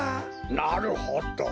なるほど。